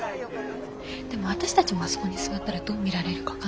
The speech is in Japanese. でも私たちもあそこに座ったらどう見られるか分かんないし。